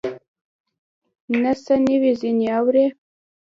نه څه نوي ځینې اورې